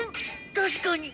確かに！